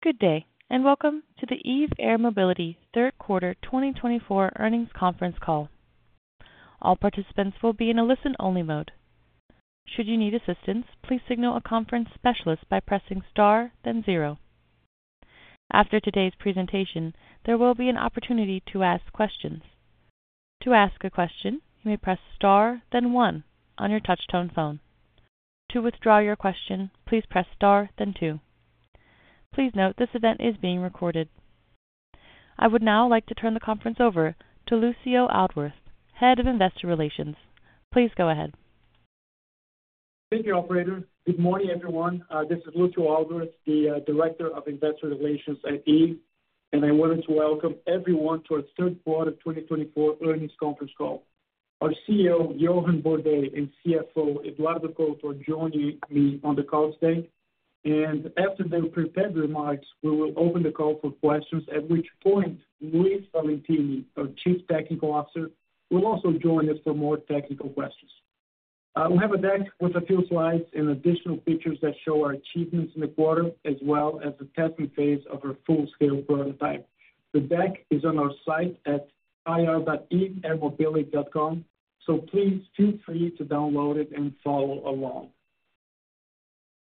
Good day, and welcome to the Eve Air Mobility Third Quarter 2024 Earnings Conference Call. All participants will be in a listen-only mode. Should you need assistance, please signal a conference specialist by pressing star, then zero. After today's presentation, there will be an opportunity to ask questions. To ask a question, you may press star, then one on your touch-tone phone. To withdraw your question, please press star, then two. Please note this event is being recorded. I would now like to turn the conference over to Lucio Aldworth, head of investor relations. Please go ahead. Thank you, operator. Good morning, everyone. This is Lucio Aldworth, the director of investor relations at Eve, and I wanted to welcome everyone to our third quarter 2024 earnings conference call. Our CEO, Johann Bordais, and CFO, Eduardo Couto, are joining me on the call today, and after their prepared remarks, we will open the call for questions, at which point Luiz Valentini, our Chief Technical Officer, will also join us for more technical questions. We have a deck with a few slides and additional pictures that show our achievements in the quarter, as well as the testing phase of our full-scale prototype. The deck is on our site at ir.eveairmobility.com, so please feel free to download it and follow along.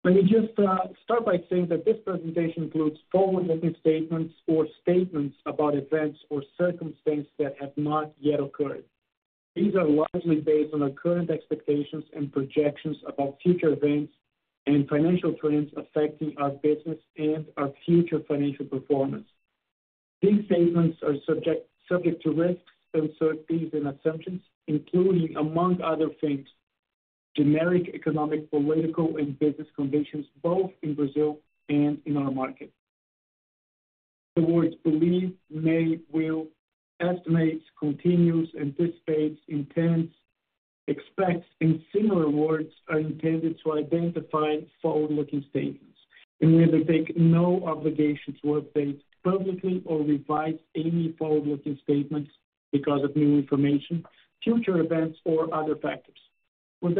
Let me just start by saying that this presentation includes forward-looking statements or statements about events or circumstances that have not yet occurred. These are largely based on our current expectations and projections about future events and financial trends affecting our business and our future financial performance. These statements are subject to risks, uncertainties, and assumptions, including, among other things, generic economic, political, and business conditions, both in Brazil and in our market. The words believe, may, will, estimates, continues, anticipates, intends, expects, and similar words are intended to identify forward-looking statements, and we undertake no obligation to update publicly or revise any forward-looking statements because of new information, future events, or other factors. With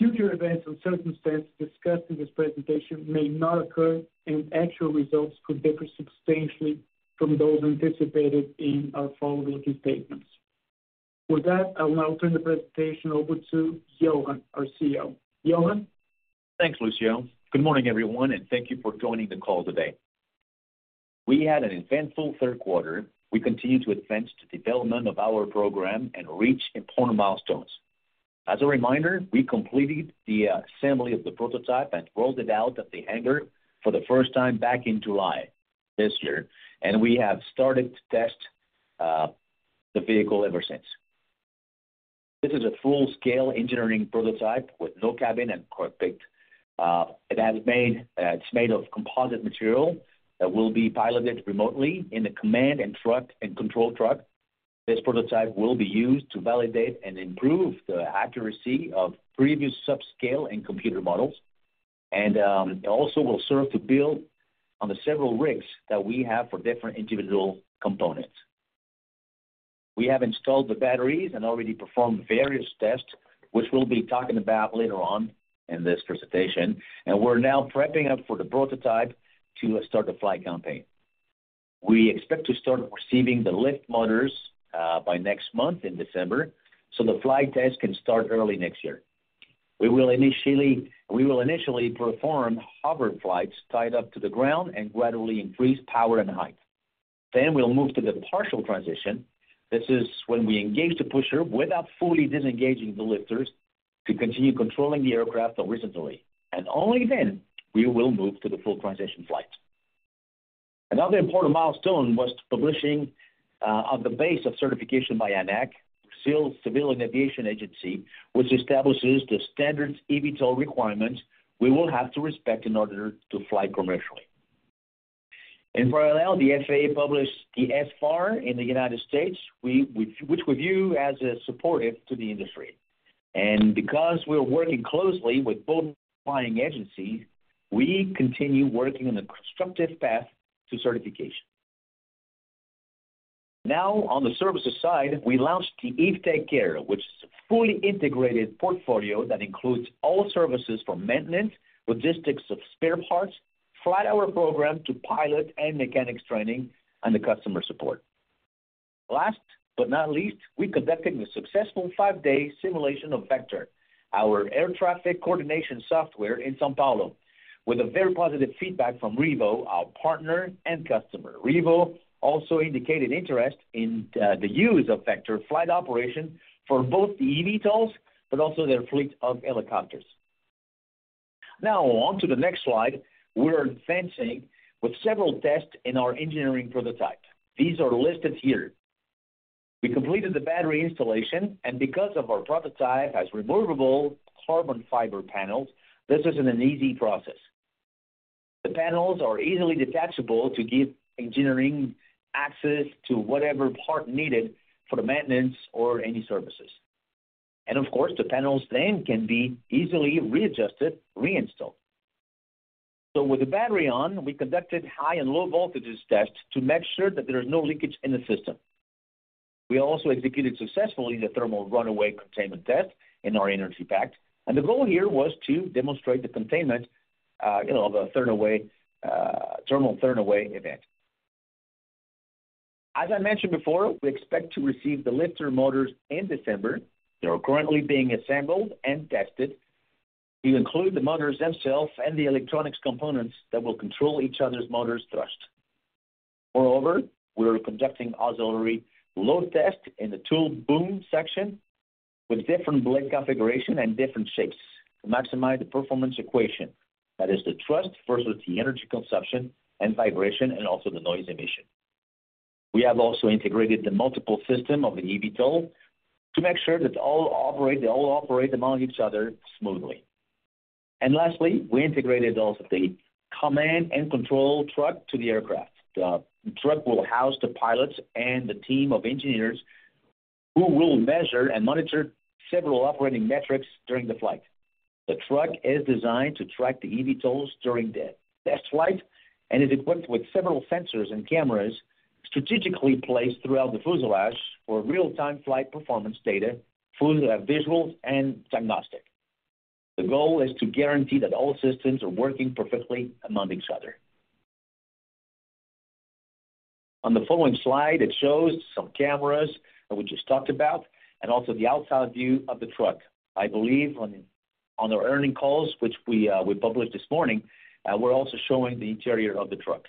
that, future events and circumstances discussed in this presentation may not occur, and actual results could differ substantially from those anticipated in our forward-looking statements. With that, I'll now turn the presentation over to Johann, our CEO. Johann? Thanks, Lucio. Good morning, everyone, and thank you for joining the call today. We had an eventful third quarter. We continue to advance the development of our program and reach important milestones. As a reminder, we completed the assembly of the prototype and rolled it out at the hangar for the first time back in July this year, and we have started to test the vehicle ever since. This is a full-scale engineering prototype with no cabin and cockpit. It has been made of composite material that will be piloted remotely in the command and control truck. This prototype will be used to validate and improve the accuracy of previous subscale and computer models, and it also will serve to build on the several rigs that we have for different individual components. We have installed the batteries and already performed various tests, which we'll be talking about later on in this presentation, and we're now prepping up for the prototype to start the flight campaign. We expect to start receiving the lift motors by next month in December, so the flight test can start early next year. We will initially perform hover flights tied up to the ground and gradually increase power and height, then we'll move to the partial transition. This is when we engage the pusher without fully disengaging the lifters to continue controlling the aircraft horizontally, and only then will we move to the full transition flight. Another important milestone was the publishing of the basis of certification by ANAC, Brazil's Civil Aviation Agency, which establishes the standard eVTOL requirements we will have to respect in order to fly commercially. In parallel, the FAA published the SFAR in the United States, which we view as supportive to the industry, and because we're working closely with both regulatory agencies, we continue working on the constructive path to certification. Now, on the services side, we launched the Eve TechCare, which is a fully integrated portfolio that includes all services for maintenance, logistics of spare parts, flight hour program, pilot and mechanics training, and the customer support. Last but not least, we conducted a successful five-day simulation of Vector, our air traffic coordination software in São Paulo, with very positive feedback from Revo, our partner and customer. Revo also indicated interest in the use of Vector flight operation for both the eVTOLs but also their fleet of helicopters. Now, on to the next slide, we're advancing with several tests in our engineering prototype. These are listed here. We completed the battery installation, and because our prototype has removable carbon fiber panels, this isn't an easy process. The panels are easily detachable to give engineering access to whatever part needed for the maintenance or any services, and of course, the panels then can be easily readjusted, reinstalled, so with the battery on, we conducted high and low voltage tests to make sure that there is no leakage in the system. We also executed successfully the thermal runaway containment test in our energy pack, and the goal here was to demonstrate the containment of a thermal runaway event. As I mentioned before, we expect to receive the lift motors in December. They are currently being assembled and tested to include the motors themselves and the electronics components that will control each other's motor thrust. Moreover, we are conducting auxiliary load tests in the tail boom section with different blade configurations and different shapes to maximize the performance equation, that is, the thrust versus the energy consumption and vibration and also the noise emission. We have also integrated the multiple system of the eVTOL to make sure that all operate among each other smoothly, and lastly, we integrated also the command and control truck to the aircraft. The truck will house the pilots and the team of engineers who will measure and monitor several operating metrics during the flight. The truck is designed to track the eVTOLs during the test flight and is equipped with several sensors and cameras strategically placed throughout the fuselage for real-time flight performance data, visuals, and diagnostics. The goal is to guarantee that all systems are working perfectly among each other. On the following slide, it shows some cameras that we just talked about and also the outside view of the truck. I believe on our earnings calls, which we published this morning, we're also showing the interior of the truck.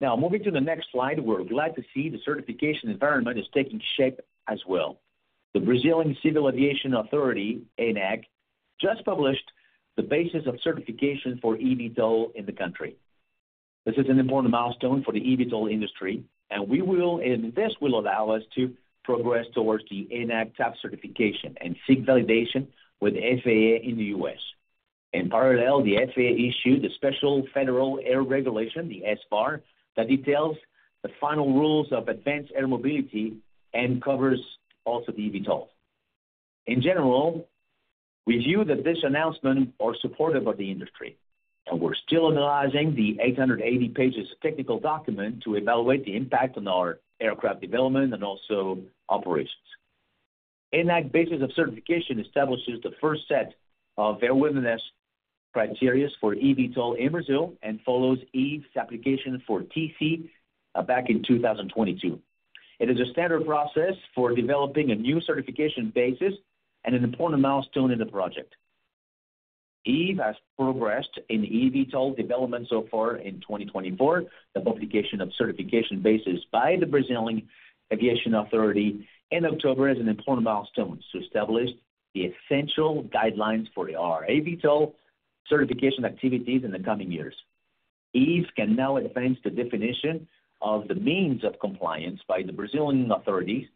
Now, moving to the next slide, we're glad to see the certification environment is taking shape as well. The Brazilian Civil Aviation Authority, ANAC, just published the basis of certification for eVTOL in the country. This is an important milestone for the eVTOL industry, and this will allow us to progress towards the ANAC TC certification and seek validation with the FAA in the U.S. In parallel, the FAA issued the Special Federal Aviation Regulation, the SFAR, that details the final rules of advanced air mobility and covers also the eVTOL. In general, we view that this announcement is supportive of the industry, and we're still analyzing the 880 pages of technical document to evaluate the impact on our aircraft development and also operations. ANAC's basis of certification establishes the first set of airworthiness criteria for eVTOL in Brazil and follows Eve's application for TC back in 2022. It is a standard process for developing a new certification basis and an important milestone in the project. Eve has progressed in eVTOL development so far in 2024. The publication of certification bases by the Brazilian Aviation Authority in October is an important milestone to establish the essential guidelines for our eVTOL certification activities in the coming years. Eve can now advance the definition of the means of compliance by the Brazilian authorities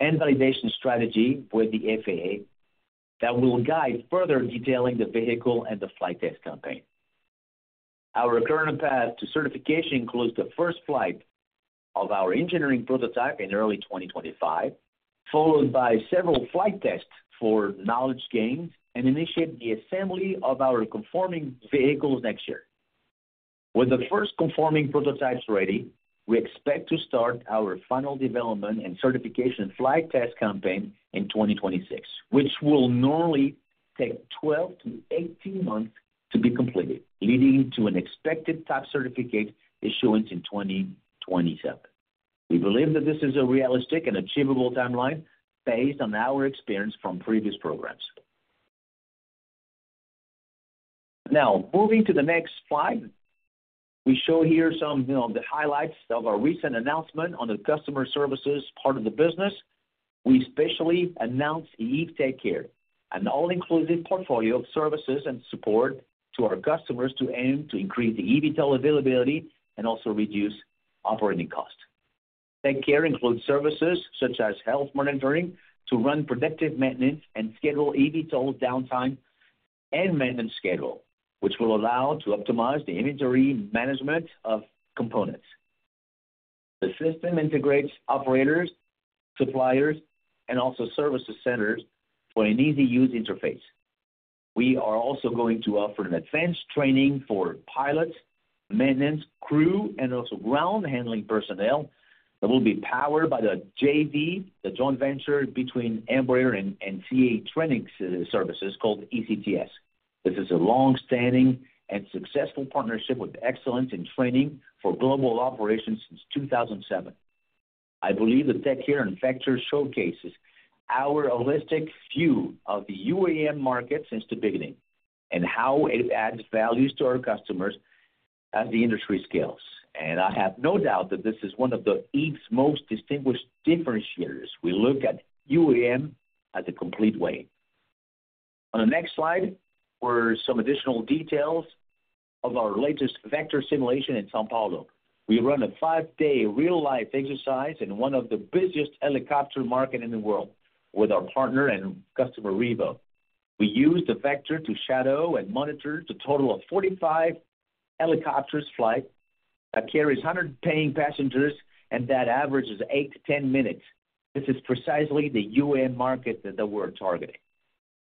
and validation strategy with the FAA that will guide further detailing the vehicle and the flight test campaign. Our current path to certification includes the first flight of our engineering prototype in early 2025, followed by several flight tests for knowledge gains and initiate the assembly of our conforming vehicles next year. With the first conforming prototypes ready, we expect to start our final development and certification flight test campaign in 2026, which will normally take 12 months-18 months to be completed, leading to an expected TC certificate issuance in 2027. We believe that this is a realistic and achievable timeline based on our experience from previous programs. Now, moving to the next slide, we show here some of the highlights of our recent announcement on the customer services part of the business. We specifically announced Eve TechCare, an all-inclusive portfolio of services and support to our customers to aim to increase the eVTOL availability and also reduce operating costs. TechCare includes services such as health monitoring to run predictive maintenance and schedule eVTOL downtime and maintenance schedule, which will allow to optimize the inventory management of components. The system integrates operators, suppliers, and also service centers for an easy-use interface. We are also going to offer an advanced training for pilots, maintenance crew, and also ground-handling personnel that will be powered by the JV, the joint venture between Embraer and CAE Training Services called ECTS. This is a long-standing and successful partnership with excellence in training for global operations since 2007. I believe the TechCare and Vector showcases our holistic view of the UAM market since the beginning and how it adds values to our customers as the industry scales. I have no doubt that this is one of Eve's most distinguished differentiators. We look at UAM as a complete way. On the next slide, here are some additional details of our latest Vector simulation in São Paulo. We ran a five-day real-life exercise in one of the busiest helicopter markets in the world with our partner and customer Revo. We used the Vector to shadow and monitor a total of 45 helicopter flights that carried 100 paying passengers, and that averaged 8 minutes-10 minutes. This is precisely the UAM market that we're targeting.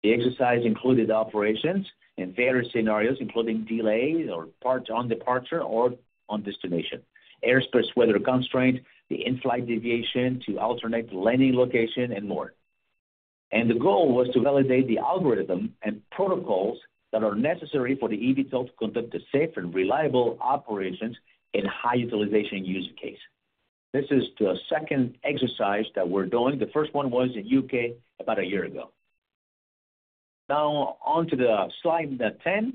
The exercise included operations in various scenarios, including delays or parts on departure or on destination, airspace weather constraints, the in-flight deviation to alternate landing location, and more. The goal was to validate the algorithm and protocols that are necessary for the eVTOL to conduct safe and reliable operations in high-utilization use case. This is the second exercise that we're doing. The first one was in the U.K. about a year ago. Now, on to slide 10,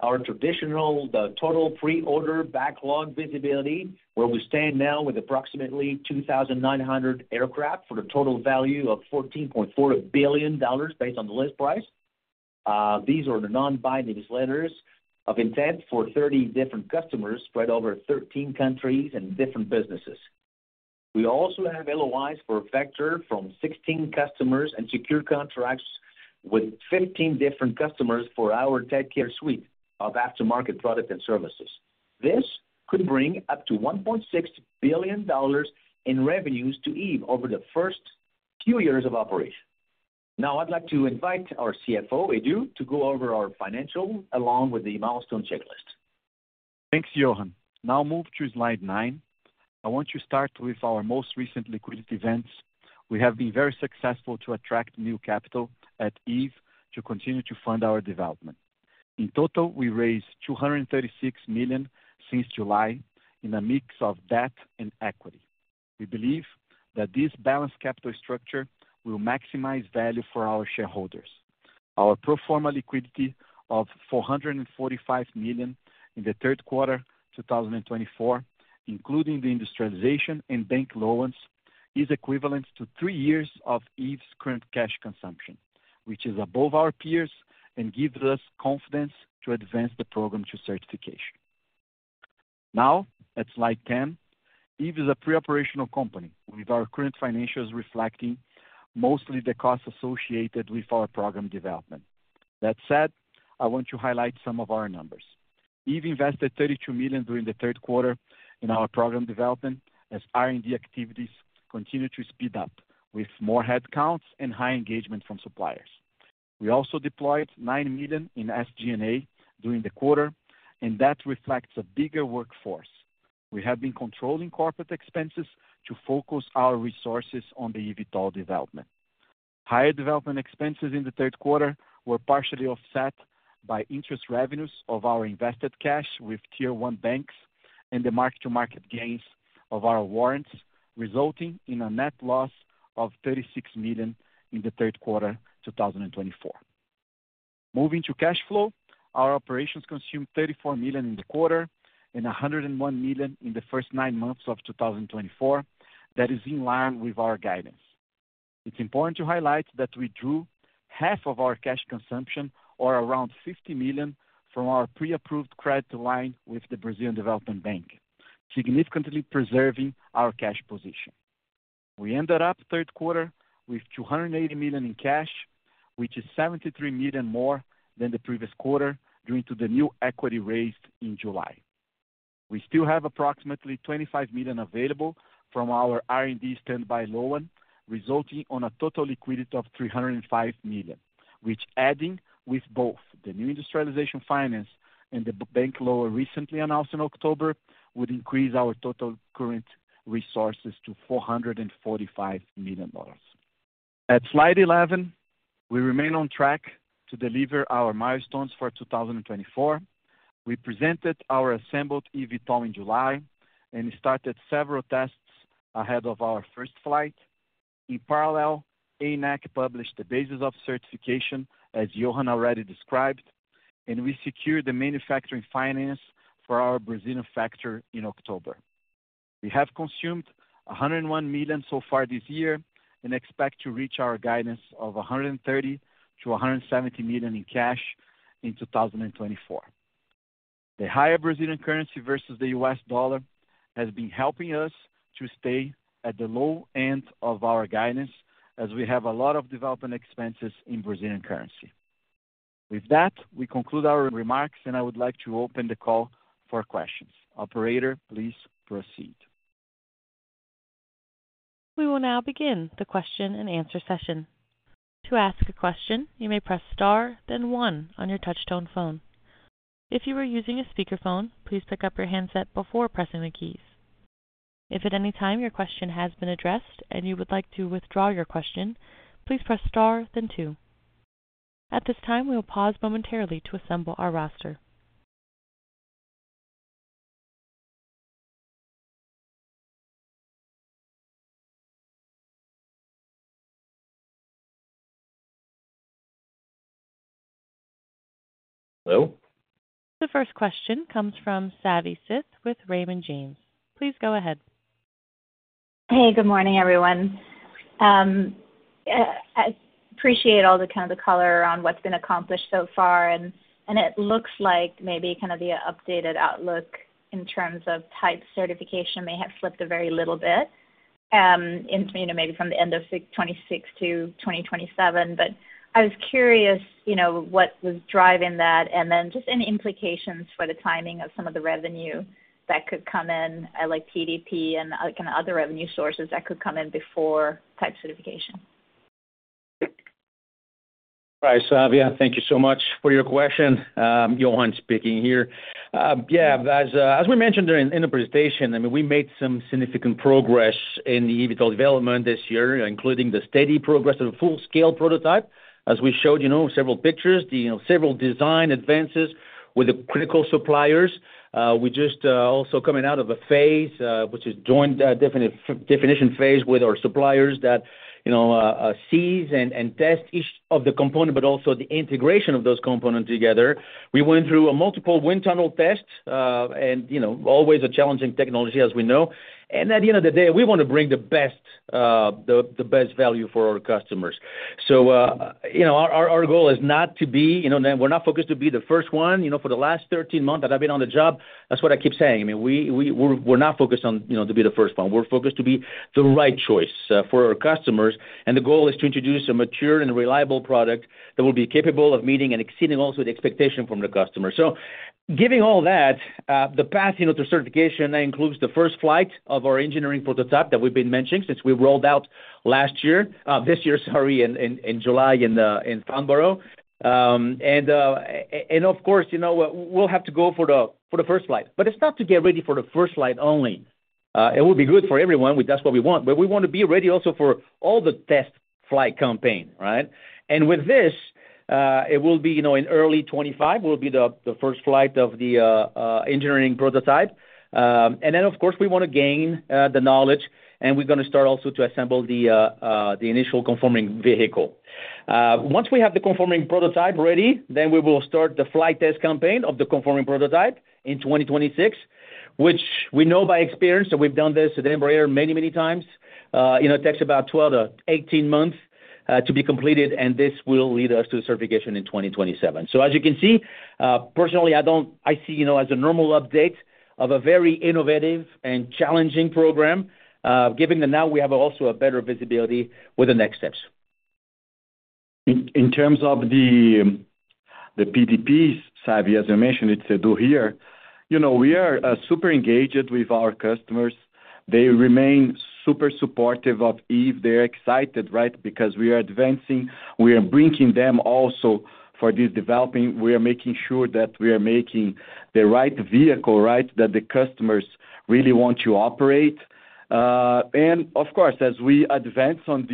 our traditional total pre-order backlog visibility, where we stand now with approximately 2,900 aircraft for a total value of $14.4 billion based on the list price. These are the non-binding letters of intent for 30 different customers spread over 13 countries and different businesses. We also have LOIs for Vector from 16 customers and secure contracts with 15 different customers for our TechCare suite of aftermarket products and services. This could bring up to $1.6 billion in revenues to Eve over the first few years of operation. Now, I'd like to invite our CFO, Edu, to go over our financials along with the milestone checklist. Thanks, Johann. Now, move to slide nine. I want to start with our most recent liquidity events. We have been very successful to attract new capital at Eve to continue to fund our development. In total, we raised $236 million since July in a mix of debt and equity. We believe that this balanced capital structure will maximize value for our shareholders. Our pro forma liquidity of $445 million in the third quarter 2024, including the industrialization and bank loans, is equivalent to three years of Eve's current cash consumption, which is above our peers and gives us confidence to advance the program to certification. Now, at slide 10, Eve is a pre-operational company with our current financials reflecting mostly the costs associated with our program development. That said, I want to highlight some of our numbers. Eve invested $32 million during the third quarter in our program development as R&D activities continue to speed up with more headcounts and high engagement from suppliers. We also deployed $9 million in SG&A during the quarter, and that reflects a bigger workforce. We have been controlling corporate expenses to focus our resources on the eVTOL development. Higher development expenses in the third quarter were partially offset by interest revenues of our invested cash with Tier 1 banks and the mark-to-market gains of our warrants, resulting in a net loss of $36 million in the third quarter 2024. Moving to cash flow, our operations consumed $34 million in the quarter and $101 million in the first nine months of 2024. That is in line with our guidance. It's important to highlight that we drew half of our cash consumption, or around $50 million, from our pre-approved credit line with the Brazilian Development Bank, significantly preserving our cash position. We ended the third quarter with $280 million in cash, which is $73 million more than the previous quarter due to the new equity raised in July. We still have approximately $25 million available from our R&D standby loan, resulting in a total liquidity of $305 million, which, adding with both the new industrialization finance and the bank loan recently announced in October, would increase our total current resources to $445 million. At slide 11, we remain on track to deliver our milestones for 2024. We presented our assembled eVTOL in July and started several tests ahead of our first flight. In parallel, ANAC published the basis of certification, as Johann already described, and we secured the manufacturing finance for our Brazilian factory in October. We have consumed $101 million so far this year and expect to reach our guidance of $130 million-$170 million in cash in 2024. The higher Brazilian currency versus the U.S. dollar has been helping us to stay at the low end of our guidance as we have a lot of development expenses in Brazilian currency. With that, we conclude our remarks, and I would like to open the call for questions. Operator, please proceed. We will now begin the question and answer session. To ask a question, you may press star, then one on your touch-tone phone. If you are using a speakerphone, please pick up your handset before pressing the keys. If at any time your question has been addressed and you would like to withdraw your question, please press star, then two. At this time, we will pause momentarily to assemble our roster. The first question comes from Savanthi Syth with Raymond James. Please go ahead. Hey, good morning, everyone. I appreciate all the kind of color around what's been accomplished so far. And it looks like maybe kind of the updated outlook in terms of type certification may have slipped a very little bit maybe from the end of 2026-2027. But I was curious what was driving that and then just any implications for the timing of some of the revenue that could come in, like PDP and kind of other revenue sources that could come in before type certification. Hi, Savvy. Thank you so much for your question. Johann speaking here. Yeah, as we mentioned in the presentation, I mean, we made some significant progress in the eVTOL development this year, including the steady progress of the full-scale prototype, as we showed several pictures, several design advances with the critical suppliers. We just also coming out of a phase, which is joint definition phase with our suppliers that sees and tests each of the components, but also the integration of those components together. We went through a multiple wind tunnel test, and always a challenging technology, as we know. At the end of the day, we want to bring the best value for our customers. Our goal is not to be, we're not focused to be the first one. For the last 13 months that I've been on the job, that's what I keep saying. I mean, we're not focused on being the first one. We're focused to be the right choice for our customers, and the goal is to introduce a mature and reliable product that will be capable of meeting and exceeding also the expectation from the customer. So giving all that, the path to certification includes the first flight of our engineering prototype that we've been mentioning since we rolled out last year, this year, sorry, in July in Farnborough. And of course, we'll have to go for the first flight. But it's not to get ready for the first flight only. It will be good for everyone. That's what we want. But we want to be ready also for all the test flight campaign, right? And with this, it will be in early 2025, will be the first flight of the engineering prototype. And then, of course, we want to gain the knowledge, and we're going to start also to assemble the initial conforming vehicle. Once we have the conforming prototype ready, then we will start the flight test campaign of the conforming prototype in 2026, which we know by experience that we've done this at Embraer many, many times. It takes about 12 months-18 months to be completed, and this will lead us to certification in 2027. So as you can see, personally, I see as a normal update of a very innovative and challenging program, given that now we have also a better visibility with the next steps. In terms of the PDPs, Savvy, as I mentioned, it's Edu here. We are super engaged with our customers. They remain super supportive of Eve. They're excited, right, because we are advancing. We are bringing them also for this developing. We are making sure that we are making the right vehicle, right, that the customers really want to operate. And of course, as we advance on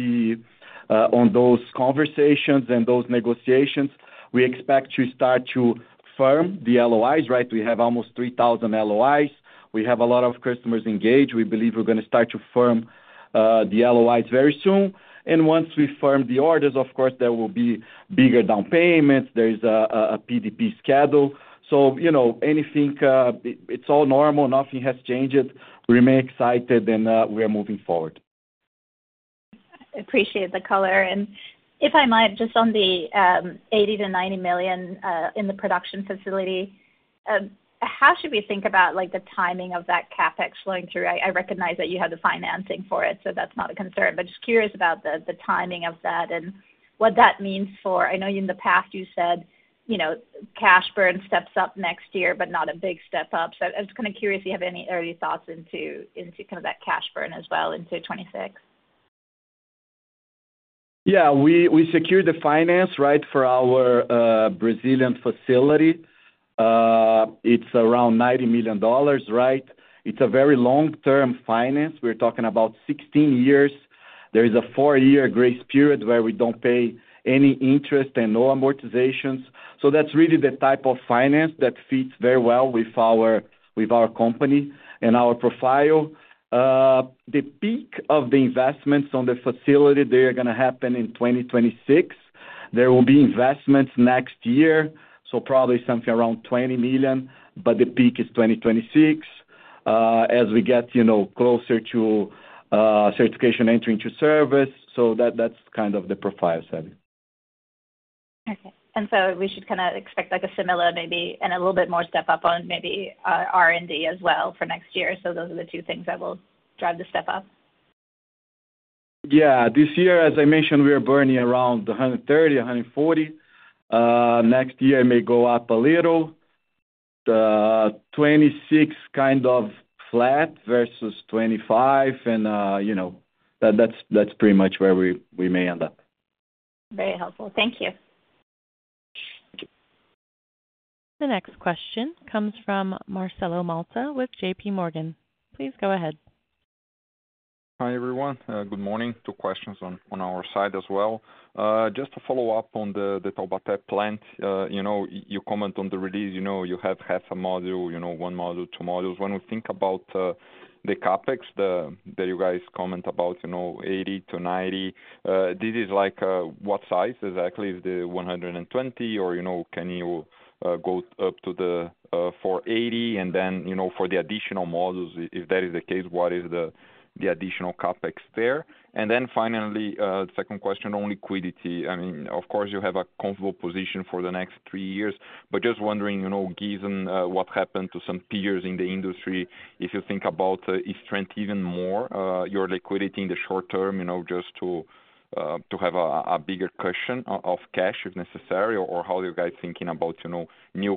those conversations and those negotiations, we expect to start to firm the LOIs, right? We have almost 3,000 LOIs. We have a lot of customers engaged. We believe we're going to start to firm the LOIs very soon. And once we firm the orders, of course, there will be bigger down payments. There is a PDP schedule. So anything, it's all normal. Nothing has changed. We remain excited, and we are moving forward. I appreciate the color. And if I might, just on the $80 million-$90 million in the production facility, how should we think about the timing of that CapEx flowing through? I recognize that you have the financing for it, so that's not a concern. But just curious about the timing of that and what that means for. I know in the past you said cash burn steps up next year, but not a big step up. So I was kind of curious if you have any early thoughts into kind of that cash burn as well into 2026. Yeah, we secured the finance, right, for our Brazilian facility. It's around $90 million, right? It's a very long-term finance. We're talking about 16 years. There is a four-year grace period where we don't pay any interest and no amortizations. So that's really the type of finance that fits very well with our company and our profile. The peak of the investments on the facility, they are going to happen in 2026. There will be investments next year, so probably something around $20 million, but the peak is 2026 as we get closer to certification entering to service. So that's kind of the profile, Savvy. Okay, and so we should kind of expect a similar maybe and a little bit more step up on maybe R&D as well for next year, so those are the two things that will drive the step up. Yeah. This year, as I mentioned, we are burning around $130-$140. Next year may go up a little, 2026 kind of flat versus 2025, and that's pretty much where we may end up. Very helpful. Thank you. The next question comes from Marcelo Motta with JPMorgan. Please go ahead. Hi, everyone. Good morning. Two questions on our side as well. Just to follow up on the Taubaté plant. You comment on the release. You have had some module, one module, two modules. When we think about the CapEx that you guys comment about, 80-90, this is like what size exactly? Is it 120, or can you go up to the 480? And then for the additional modules, if that is the case, what is the additional CapEx there? And then finally, second question, on liquidity. I mean, of course, you have a comfortable position for the next three years. But just wondering, given what happened to some peers in the industry? If you think about eVTOL rent even more, your liquidity in the short term, just to have a bigger cushion of cash if necessary, or how are you guys thinking about new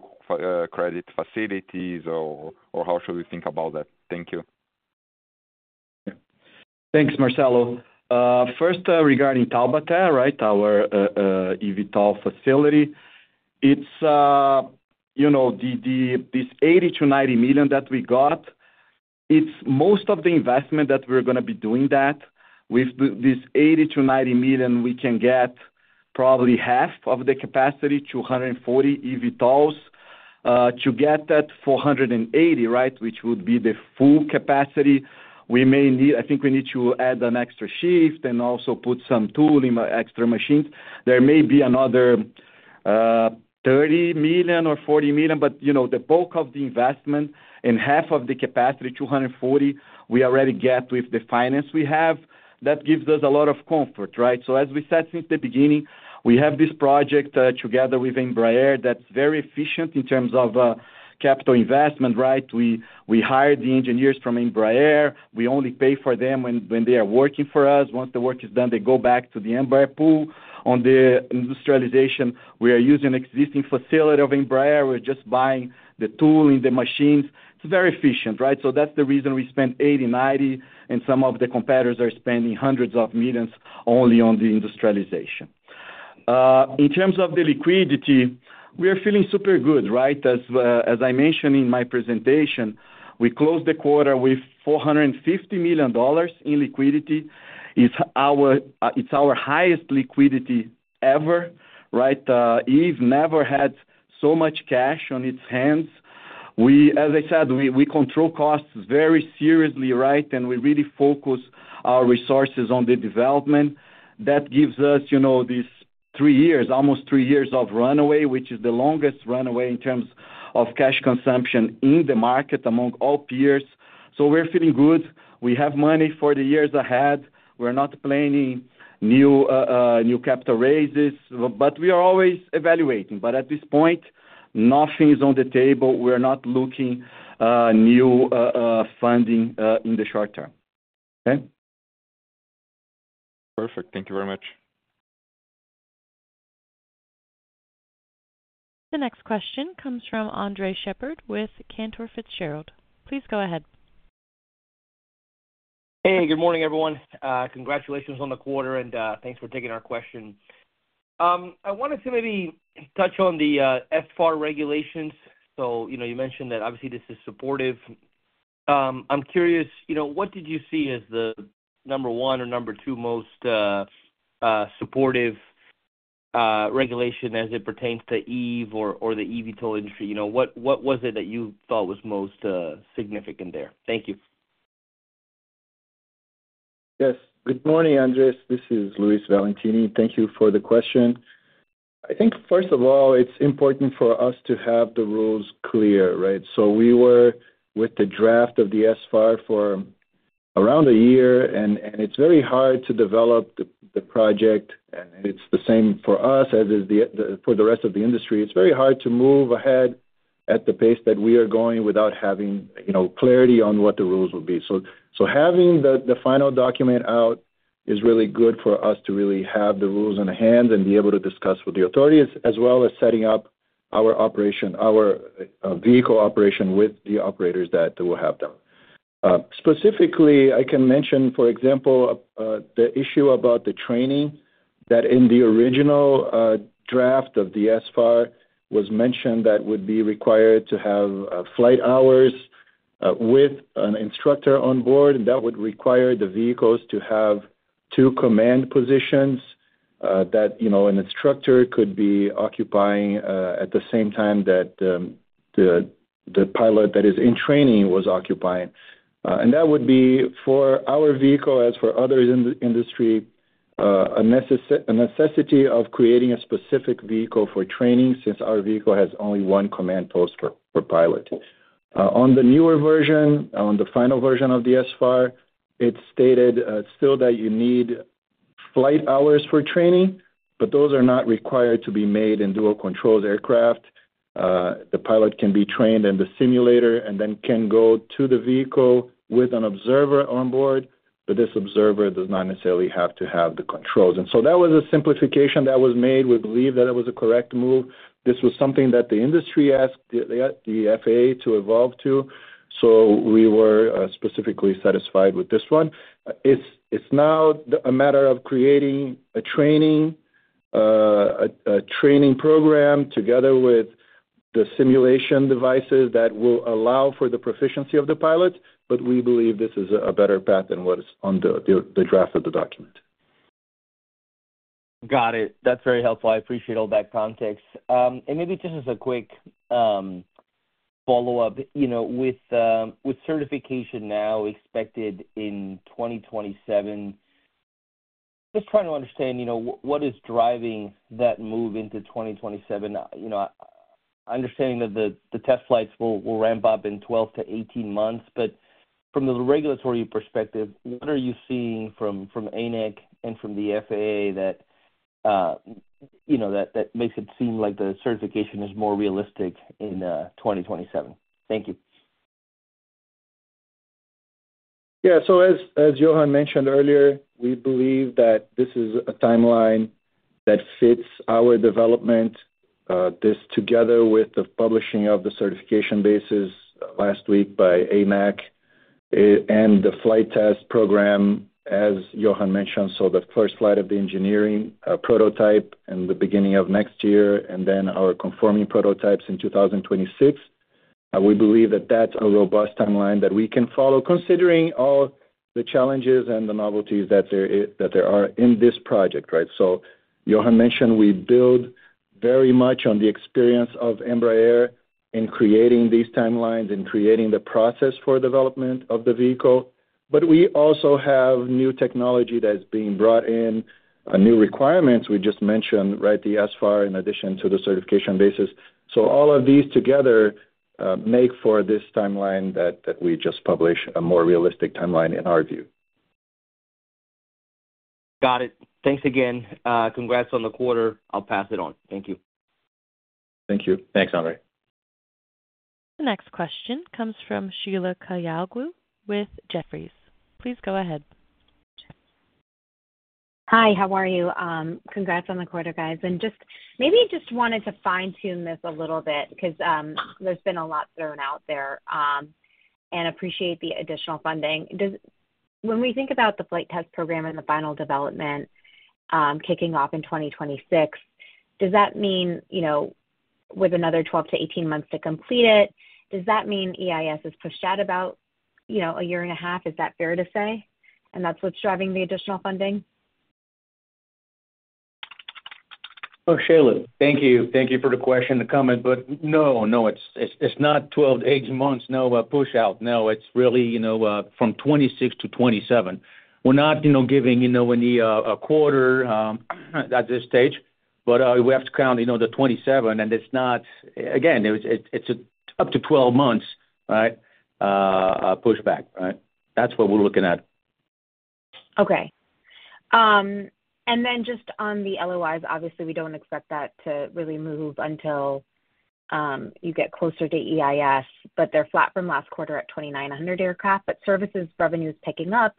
credit facilities, or how should we think about that? Thank you. Thanks, Marcelo. First, regarding Taubaté, right, our eVTOL facility, this $80 million-$90 million that we got, it's most of the investment that we're going to be doing that. With this $80 million-$90 million, we can get probably half of the capacity, 240 eVTOLs. To get that 480, right, which would be the full capacity, we may need. I think we need to add an extra shift and also put some tooling, extra machines. There may be another $30 million or $40 million. But the bulk of the investment and half of the capacity, 240, we already get with the finance we have. That gives us a lot of comfort, right? So as we said since the beginning, we have this project together with Embraer that's very efficient in terms of capital investment, right? We hired the engineers from Embraer. We only pay for them when they are working for us. Once the work is done, they go back to the Embraer pool on the industrialization. We are using an existing facility of Embraer. We're just buying the tooling, the machines. It's very efficient, right? So that's the reason we spend 80-90, and some of the competitors are spending hundreds of millions only on the industrialization. In terms of the liquidity, we are feeling super good, right? As I mentioned in my presentation, we closed the quarter with $450 million in liquidity. It's our highest liquidity ever, right? Eve never had so much cash on its hands. As I said, we control costs very seriously, right? And we really focus our resources on the development. That gives us these three years, almost three years of runway, which is the longest runway in terms of cash consumption in the market among all peers. So we're feeling good. We have money for the years ahead. We're not planning new capital raises, but we are always evaluating. But at this point, nothing is on the table. We're not looking at new funding in the short term. Okay? Perfect. Thank you very much. The next question comes from Andres Sheppard with Cantor Fitzgerald. Please go ahead. Hey, good morning, everyone. Congratulations on the quarter, and thanks for taking our question. I wanted to maybe touch on the SFAR regulations. So you mentioned that obviously this is supportive. I'm curious, what did you see as the number one or number two most supportive regulation as it pertains to Eve or the eVTOL industry? What was it that you thought was most significant there? Thank you. Yes. Good morning, Andres. This is Luiz Valentini. Thank you for the question. I think, first of all, it's important for us to have the rules clear, right? So we were with the draft of the SFAR for around a year, and it's very hard to develop the project. And it's the same for us as it is for the rest of the industry. It's very hard to move ahead at the pace that we are going without having clarity on what the rules will be. So having the final document out is really good for us to really have the rules in our hands and be able to discuss with the authorities, as well as setting up our vehicle operation with the operators that will have them. Specifically, I can mention, for example, the issue about the training that in the original draft of the SFAR was mentioned that would be required to have flight hours with an instructor on board. That would require the vehicles to have two command positions that an instructor could be occupying at the same time that the pilot that is in training was occupying. And that would be for our vehicle as for others in the industry, a necessity of creating a specific vehicle for training since our vehicle has only one command post for pilot. On the newer version, on the final version of the SFAR, it's stated still that you need flight hours for training, but those are not required to be made in dual controls aircraft. The pilot can be trained in the simulator and then can go to the vehicle with an observer on board, but this observer does not necessarily have to have the controls. And so that was a simplification that was made. We believe that it was a correct move. This was something that the industry asked the FAA to evolve to. So we were specifically satisfied with this one. It's now a matter of creating a training program together with the simulation devices that will allow for the proficiency of the pilot. But we believe this is a better path than what's on the draft of the document. Got it. That's very helpful. I appreciate all that context. And maybe just as a quick follow-up, with certification now expected in 2027, just trying to understand what is driving that move into 2027. Understanding that the test flights will ramp up in 12 months-18 months, but from the regulatory perspective, what are you seeing from ANAC and from the FAA that makes it seem like the certification is more realistic in 2027? Thank you. Yeah, so as Johann mentioned earlier, we believe that this is a timeline that fits our development, this together with the publishing of the certification basis last week by ANAC and the flight test program, as Johann mentioned, so the first flight of the engineering prototype in the beginning of next year, and then our conforming prototypes in 2026. We believe that that's a robust timeline that we can follow, considering all the challenges and the novelties that there are in this project, right, so Johann mentioned we build very much on the experience of Embraer in creating these timelines and creating the process for development of the vehicle. But we also have new technology that is being brought in, new requirements we just mentioned, right, the SFAR in addition to the certification basis. So all of these together make for this timeline that we just published, a more realistic timeline in our view. Got it. Thanks again. Congrats on the quarter. I'll pass it on. Thank you. Thank you. Thanks, Andre. The next question comes from Sheila Kahyaoglu with Jefferies. Please go ahead. Hi, how are you? Congrats on the quarter, guys. And maybe just wanted to fine-tune this a little bit because there's been a lot thrown out there and appreciate the additional funding. When we think about the flight test program and the final development kicking off in 2026, does that mean with another 12 months-18 months to complete it, does that mean EIS is pushed out about a year and a half? Is that fair to say? And that's what's driving the additional funding? Oh, Sheila, thank you. Thank you for the question, the comment. But no, no, it's not 12 months-18 months, no push-out. No, it's really from 2026-2027. We're not giving any quarter at this stage, but we have to count the 2027. And again, it's up to 12 months, right, pushback, right? That's what we're looking at. Okay. And then just on the LOIs, obviously, we don't expect that to really move until you get closer to EIS, but they're flat from last quarter at 2,900 aircraft. But services revenue is picking up,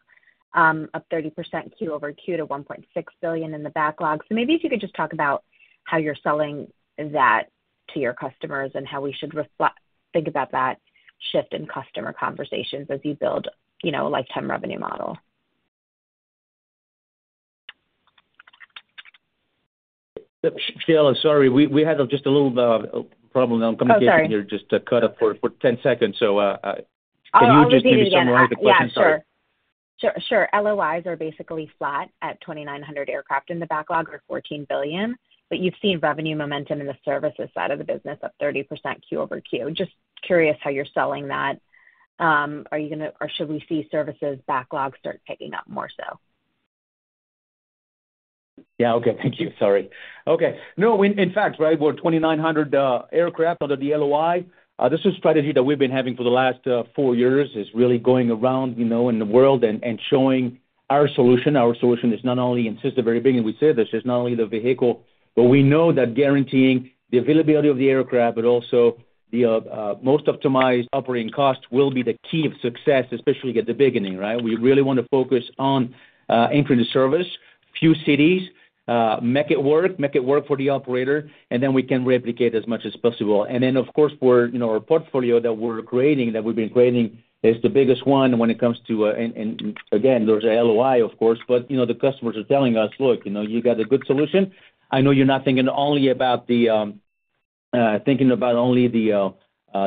up 30% QoQ to $1.6 billion in the backlog. So maybe if you could just talk about how you're selling that to your customers and how we should think about that shift in customer conversations as you build a lifetime revenue model. Sheila, sorry, we had just a little problem. I'm coming to you here just to cut up for 10 seconds. So can you just maybe summarize the question? Oh, yeah. Yeah, sure. LOIs are basically flat at 2,900 aircraft in the backlog or $14 billion. But you've seen revenue momentum in the services side of the business, up 30% Q over Q. Just curious how you're selling that. Are you going to or should we see services backlog start picking up more so? Yeah. Okay. Thank you. Sorry. Okay. No, in fact, right, we're 2,900 aircraft under the LOI. This is a strategy that we've been having for the last four years, is really going around in the world and showing our solution. Our solution is not only, and since the very beginning, we said this, it's not only the vehicle, but we know that guaranteeing the availability of the aircraft, but also the most optimized operating cost will be the key of success, especially at the beginning, right? We really want to focus on increasing service, few cities, make it work, make it work for the operator, and then we can replicate as much as possible. Of course, our portfolio that we're creating, that we've been creating, is the biggest one when it comes to, and again, there's an LOI, of course. But the customers are telling us, "Look, you got a good solution. I know you're not thinking only about the vehicle, but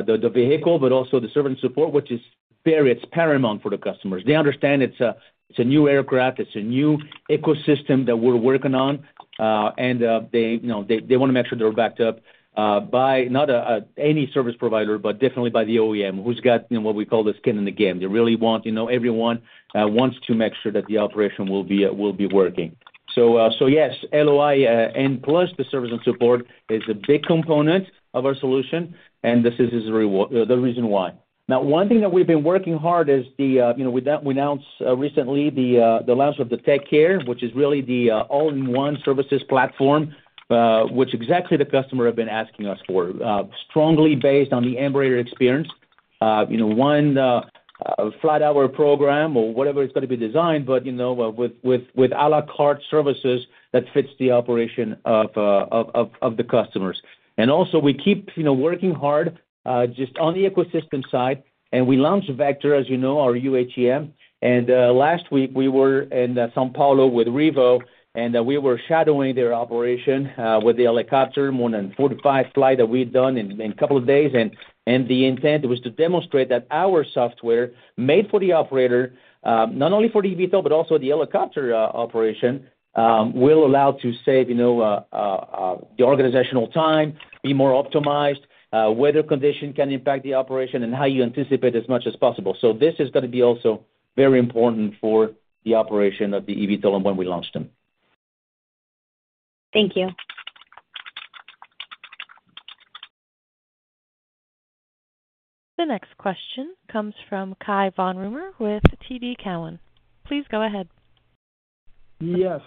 also the service and support," which is very paramount for the customers. They understand it's a new aircraft. It's a new ecosystem that we're working on. And they want to make sure they're backed up by not any service provider, but definitely by the OEM who's got what we call the skin in the game. They really want to make sure that the operation will be working. So yes, LOI and plus the service and support is a big component of our solution. And this is the reason why. Now, one thing that we've been working hard is we announced recently the launch of the TechCare, which is really the all-in-one services platform, which exactly the customer has been asking us for, strongly based on the Embraer experience. One flat-hour program or whatever it's going to be designed, but with à la carte services that fits the operation of the customers. And also, we keep working hard just on the ecosystem side. And we launched Vector, as you know, our UATM. And last week, we were in São Paulo with Revo, and we were shadowing their operation with the helicopter, more than 45 flights that we'd done in a couple of days. The intent was to demonstrate that our software made for the operator, not only for the eVTOL, but also the helicopter operation, will allow to save the organizational time, be more optimized, weather conditions can impact the operation, and how you anticipate as much as possible. This is going to be also very important for the operation of the eVTOL and when we launch them. Thank you. The next question comes from Cai von Rumohr with TD Cowen. Please go ahead. Yes.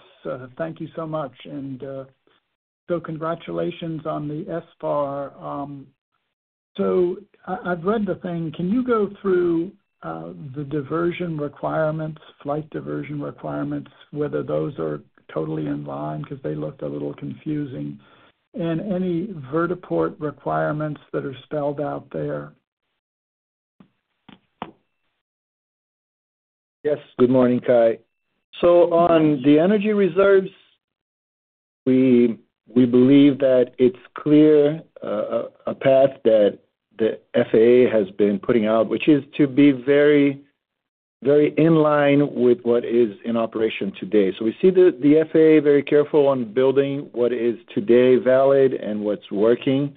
Thank you so much, and so congratulations on the SFAR. I've read the thing. Can you go through the diversion requirements, flight diversion requirements, whether those are totally in line because they looked a little confusing, and any Vertiport requirements that are spelled out there? Yes. Good morning, Cai. So on the energy reserves, we believe that it's clear a path that the FAA has been putting out, which is to be very in line with what is in operation today. So we see the FAA very careful on building what is today valid and what's working,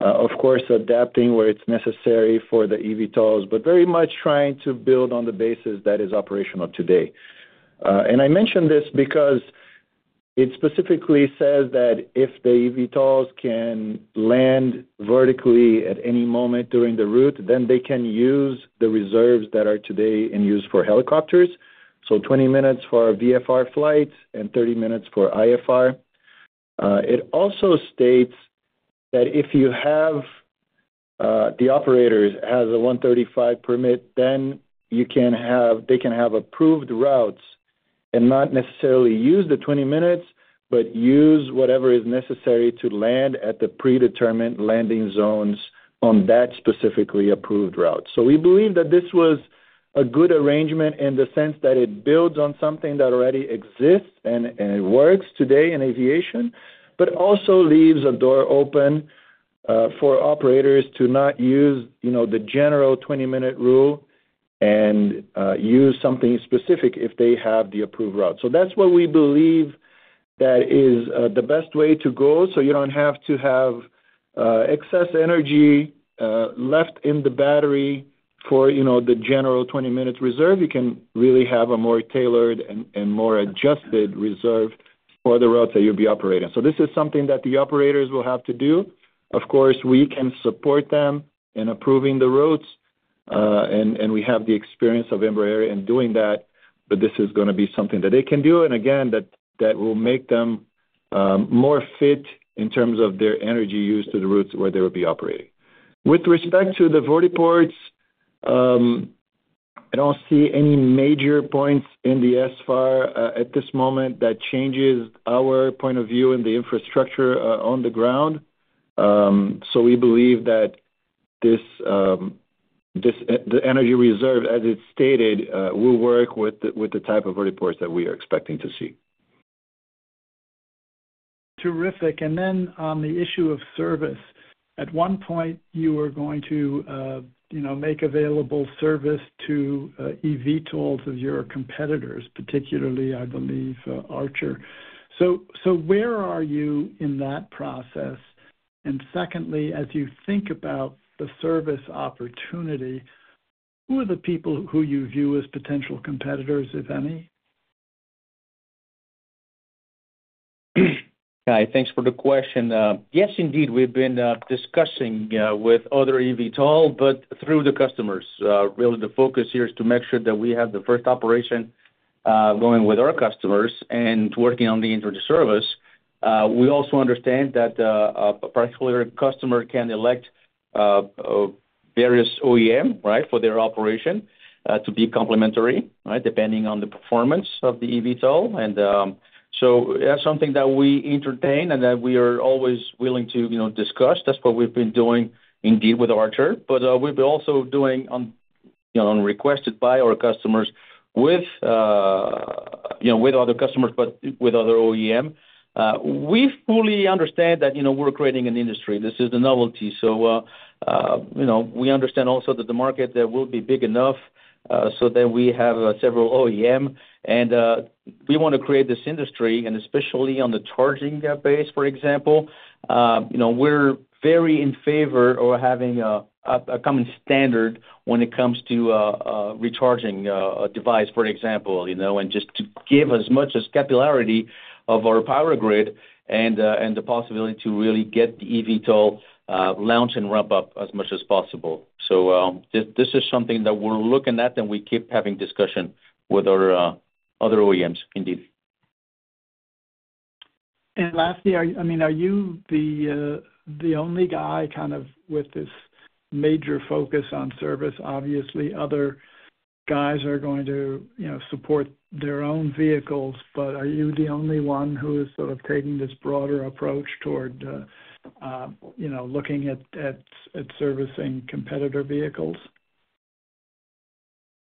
of course, adapting where it's necessary for the eVTOLs, but very much trying to build on the basis that is operational today. And I mentioned this because it specifically says that if the eVTOLs can land vertically at any moment during the route, then they can use the reserves that are today in use for helicopters. So 20 minutes for VFR flights and 30 minutes for IFR. It also states that if you have the operators as a Part 135, then they can have approved routes and not necessarily use the 20 minutes, but use whatever is necessary to land at the predetermined landing zones on that specifically approved route. So we believe that this was a good arrangement in the sense that it builds on something that already exists and works today in aviation, but also leaves a door open for operators to not use the general 20-minute rule and use something specific if they have the approved route. So that's what we believe that is the best way to go. So you don't have to have excess energy left in the battery for the general 20-minute reserve. You can really have a more tailored and more adjusted reserve for the routes that you'll be operating. So this is something that the operators will have to do. Of course, we can support them in approving the routes, and we have the experience of Embraer in doing that, but this is going to be something that they can do. And again, that will make them more fit in terms of their energy use to the routes where they will be operating. With respect to the vertiports, I don't see any major points in the SFAR at this moment that changes our point of view and the infrastructure on the ground. So we believe that the energy reserve, as it's stated, will work with the type of vertiports that we are expecting to see. Terrific. And then on the issue of service, at one point, you were going to make available service to eVTOLs of your competitors, particularly, I believe, Archer. So where are you in that process? And secondly, as you think about the service opportunity, who are the people who you view as potential competitors, if any? Kai, thanks for the question. Yes, indeed. We've been discussing with other eVTOL, but through the customers. Really, the focus here is to make sure that we have the first operation going with our customers and working on the entry into service. We also understand that a particular customer can elect various OEM, right, for their operation to be complementary, right, depending on the performance of the eVTOL. And so that's something that we entertain and that we are always willing to discuss. That's what we've been doing, indeed, with Archer. But we've been also doing, upon request by our customers, with other OEM. We fully understand that we're creating an industry. This is a novelty. So we understand also that the market will be big enough so that we have several OEM. And we want to create this industry, and especially on the charging base, for example. We're very in favor of having a common standard when it comes to recharging a device, for example, and just to give as much as capillarity of our power grid and the possibility to really get the eVTOL launch and ramp up as much as possible. So this is something that we're looking at, and we keep having discussion with other OEMs, indeed. Lastly, I mean, are you the only guy kind of with this major focus on service? Obviously, other guys are going to support their own vehicles, but are you the only one who is sort of taking this broader approach toward looking at servicing competitor vehicles?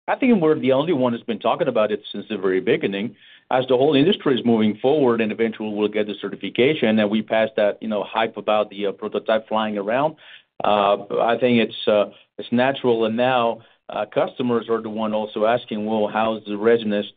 I think we're the only one who's been talking about it since the very beginning. As the whole industry is moving forward and eventually will get the certification and we pass that hype about the prototype flying around, I think it's natural. And now customers are the one also asking, "Well, how's the readiness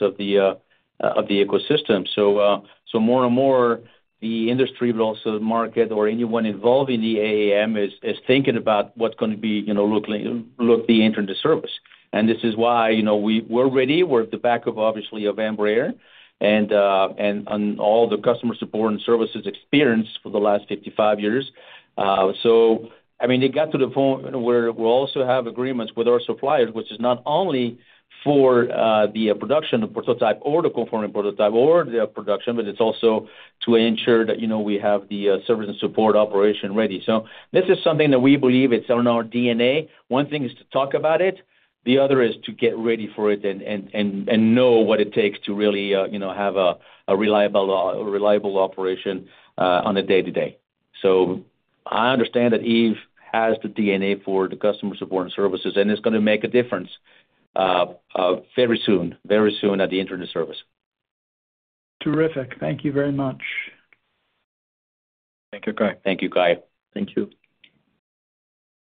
of the ecosystem?" So more and more, the industry, but also the market or anyone involved in the AAM is thinking about what's going to be looking like the entry into service. And this is why we're ready. We're backed by, obviously, Embraer and all the customer support and services experience for the last 55 years. I mean, it got to the point where we also have agreements with our suppliers, which is not only for the production of prototype or the conforming prototype or the production, but it's also to ensure that we have the service and support operation ready. This is something that we believe it's in our DNA. One thing is to talk about it. The other is to get ready for it and know what it takes to really have a reliable operation on a day-to-day. I understand that Eve has the DNA for the customer support and services, and it's going to make a difference very soon, very soon at the afterservice. Terrific. Thank you very much. Thank you, Cai. Thank you, Cai. Thank you.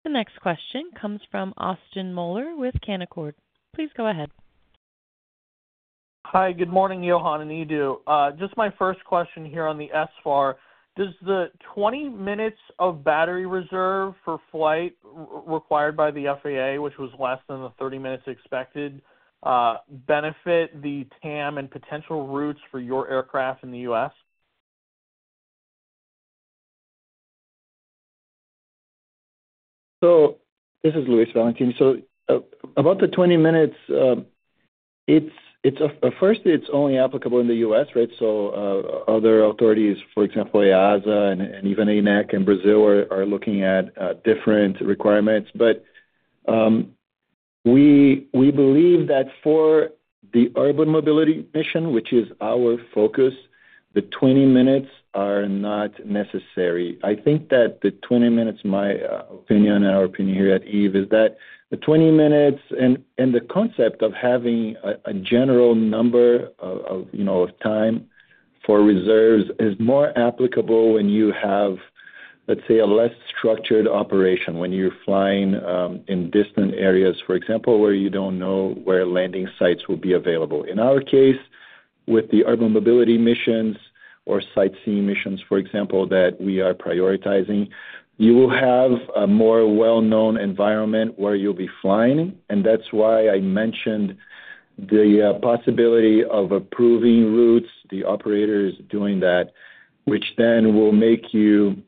The next question comes from Austin Moeller with Canaccord. Please go ahead. Hi. Good morning, Johann and Edu. Just my first question here on the SFAR. Does the 20 minutes of battery reserve for flight required by the FAA, which was less than the 30 minutes expected, benefit the TAM and potential routes for your aircraft in the U.S.? This is Luiz Valentini. About the 20 minutes, first, it's only applicable in the U.S., right? Other authorities, for example, EASA and even ANAC in Brazil, are looking at different requirements. But we believe that for the Urban Mobility Mission, which is our focus, the 20 minutes are not necessary. I think that the 20 minutes, my opinion and our opinion here at EVE, is that the 20 minutes and the concept of having a general number of time for reserves is more applicable when you have, let's say, a less structured operation when you're flying in distant areas, for example, where you don't know where landing sites will be available. In our case, with the Urban Mobility Missions or Sightseeing Missions, for example, that we are prioritizing, you will have a more well-known environment where you'll be flying. And that's why I mentioned the possibility of approving routes, the operators doing that, which then will make you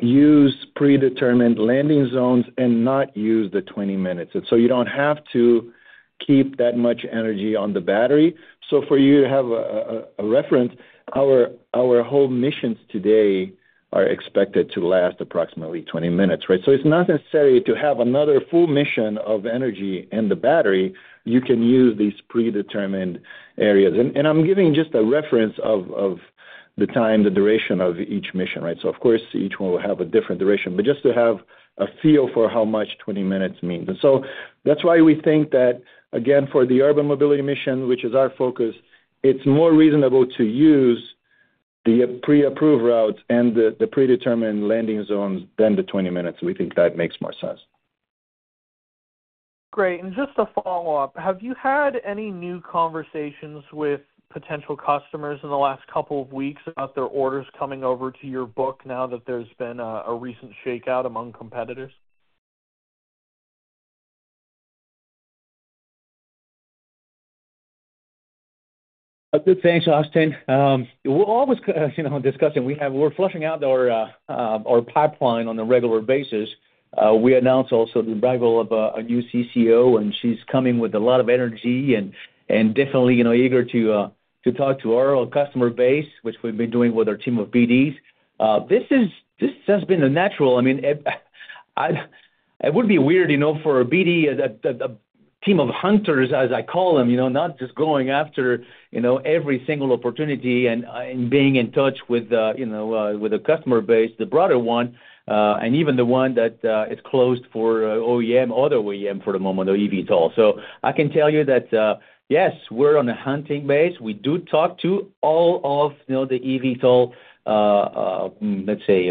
use predetermined landing zones and not use the 20 minutes. And so you don't have to keep that much energy on the battery. So for you to have a reference, our whole missions today are expected to last approximately 20 minutes, right? So it's not necessary to have another full mission of energy in the battery. You can use these predetermined areas. And I'm giving just a reference of the time, the duration of each mission, right? So of course, each one will have a different duration, but just to have a feel for how much 20 minutes means. And so that's why we think that, again, for the Urban Mobility Mission, which is our focus, it's more reasonable to use the pre-approved routes and the predetermined landing zones than the 20 minutes. We think that makes more sense. Great. And just to follow up, have you had any new conversations with potential customers in the last couple of weeks about their orders coming over to your book now that there's been a recent shakeout among competitors? Good, thanks, Austin. We're always discussing. We're fleshing out our pipeline on a regular basis. We announced also the arrival of a new CCO, and she's coming with a lot of energy and definitely eager to talk to our customer base, which we've been doing with our team of BDs. This has been a natural. I mean, it would be weird for a BD, a team of hunters, as I call them, not just going after every single opportunity and being in touch with the customer base, the broader one, and even the one that is closed for OEM, other OEM for the moment, the eVTOL. So I can tell you that, yes, we're on a hunting basis. We do talk to all of the eVTOL, let's say,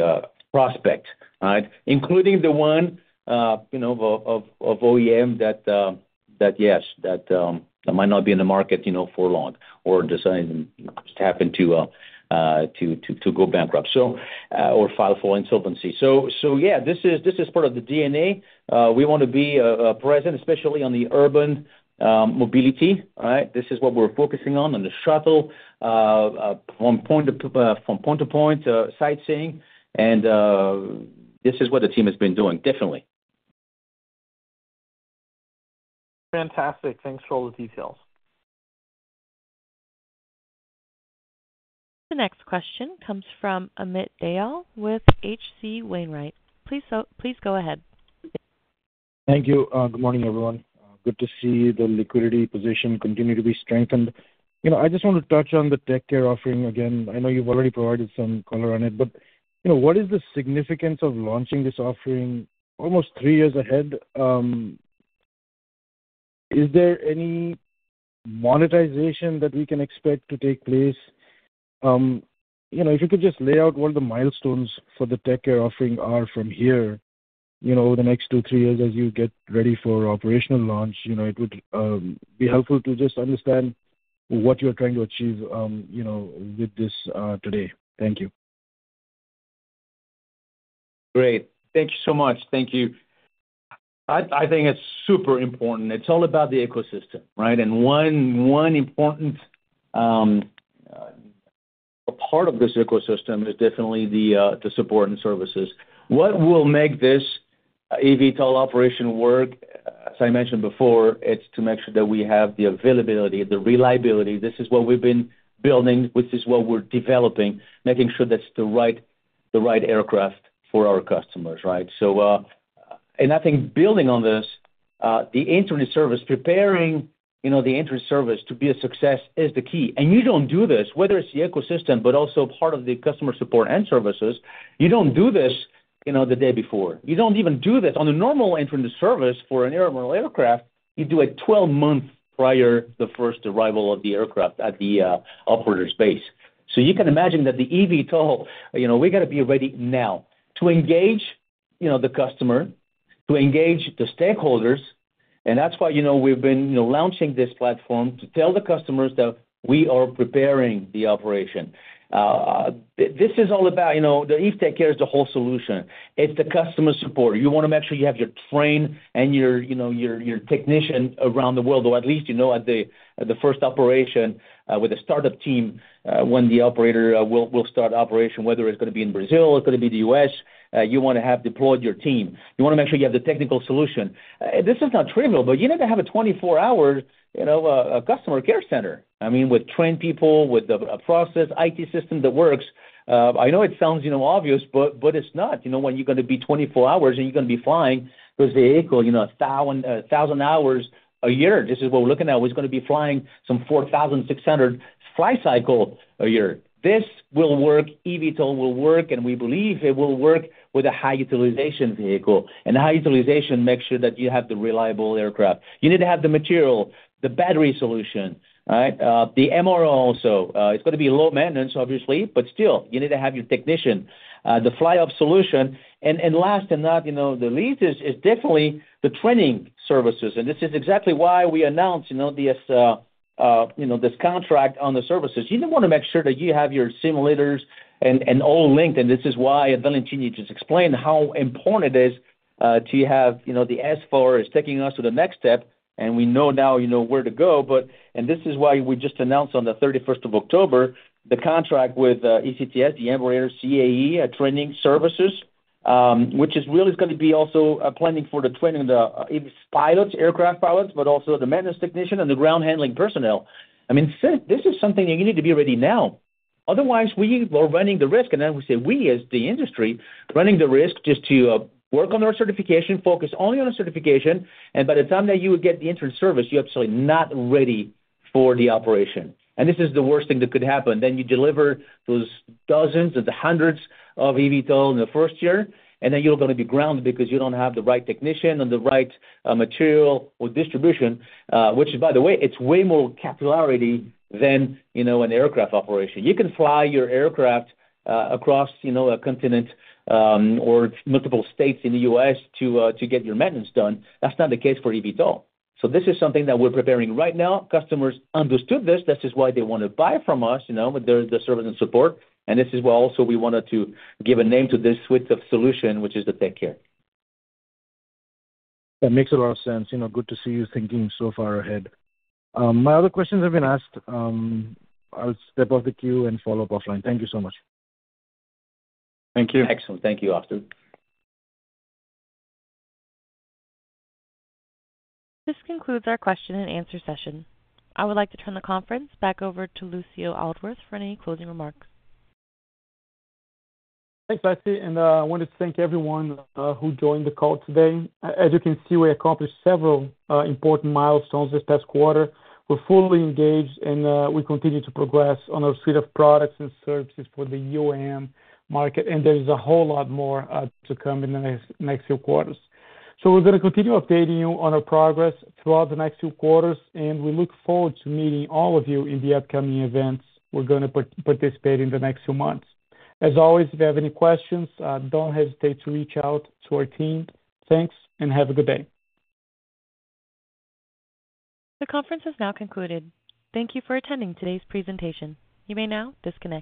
prospects, right, including the one of OEM that, yes, that might not be in the market for long or just happen to go bankrupt or file for insolvency, so yeah, this is part of the DNA. We want to be present, especially on the urban mobility, right? This is what we're focusing on, on the shuttle, from point to point, sightseeing, and this is what the team has been doing, definitely. Fantastic. Thanks for all the details. The next question comes from Amit Dayal with H.C. Wainwright. Please go ahead. Thank you. Good morning, everyone. Good to see the liquidity position continue to be strengthened. I just want to touch on the TechCare offering again. I know you've already provided some color on it, but what is the significance of launching this offering almost three years ahead? Is there any monetization that we can expect to take place? If you could just lay out what the milestones for the TechCare offering are from here over the next two, three years as you get ready for operational launch, it would be helpful to just understand what you're trying to achieve with this today. Thank you. Great. Thank you so much. Thank you. I think it's super important. It's all about the ecosystem, right? And one important part of this ecosystem is definitely the support and services. What will make this eVTOL operation work? As I mentioned before, it's to make sure that we have the availability, the reliability. This is what we've been building, which is what we're developing, making sure that's the right aircraft for our customers, right? And I think building on this, the in-service, preparing the in-service to be a success is the key. And you don't do this, whether it's the ecosystem, but also part of the customer support and services, you don't do this the day before. You don't even do this on a normal in-service for an Embraer aircraft. You do it 12 months prior to the first arrival of the aircraft at the operator's base. You can imagine that the eVTOL. We got to be ready now to engage the customer, to engage the stakeholders. That's why we've been launching this platform to tell the customers that we are preparing the operation. This is all about the Eve TechCare. It's the whole solution. It's the customer support. You want to make sure you have your trainer and your technician around the world, or at least at the first operation with a startup team when the operator will start operation, whether it's going to be in Brazil, it's going to be the U.S. You want to have deployed your team. You want to make sure you have the technical solution. This is not trivial, but you need to have a 24-hour customer care center. I mean, with trained people, with a process, IT system that works. I know it sounds obvious, but it's not. When you're going to be 24 hours and you're going to be flying those vehicles 1,000 hours a year, this is what we're looking at. We're going to be flying some 4,600 flight cycles a year. This will work. eVTOL will work, and we believe it will work with a high-utilization vehicle, and high-utilization makes sure that you have the reliable aircraft. You need to have the material, the battery solution, right? The MRO also. It's going to be low maintenance, obviously, but still, you need to have your technician, the fly-off solution, and last but not the least is definitely the training services, and this is exactly why we announced this contract on the services. You want to make sure that you have your simulators and all linked. This is why Valentini just explained how important it is to have the S4 is taking us to the next step, and we know now where to go. This is why we just announced on the 31st of October the contract with ECTS, the Embraer-CAE Training Services, which is really going to be also planning for the training of the pilots, aircraft pilots, but also the maintenance technician and the ground handling personnel. I mean, this is something you need to be ready now. Otherwise, we are running the risk, and then we say we as the industry running the risk just to work on our certification, focus only on our certification. By the time that you would get the entry into service, you're absolutely not ready for the operation. This is the worst thing that could happen. Then you deliver those dozens of the hundreds of eVTOL in the first year, and then you're going to be grounded because you don't have the right technician and the right material or distribution, which is, by the way, it's way more capillarity than an aircraft operation. You can fly your aircraft across a continent or multiple states in the U.S. to get your maintenance done. That's not the case for eVTOL. So this is something that we're preparing right now. Customers understood this. This is why they want to buy from us with the service and support. And this is why also we wanted to give a name to this suite of solution, which is the TechCare. That makes a lot of sense. Good to see you thinking so far ahead. My other questions have been asked. I'll step off the queue and follow up offline. Thank you so much. Thank you. Excellent. Thank you, Austin. This concludes our question and answer session. I would like to turn the conference back over to Lucio Aldworth for any closing remarks. Thanks, Austin. And I wanted to thank everyone who joined the call today. As you can see, we accomplished several important milestones this past quarter. We're fully engaged, and we continue to progress on our suite of products and services for the UAM market. And there is a whole lot more to come in the next few quarters. So we're going to continue updating you on our progress throughout the next few quarters. And we look forward to meeting all of you in the upcoming events we're going to participate in the next few months. As always, if you have any questions, don't hesitate to reach out to our team. Thanks, and have a good day. The conference has now concluded. Thank you for attending today's presentation. You may now disconnect.